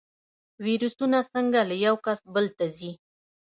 ویروسونه څنګه له یو کس بل ته ځي؟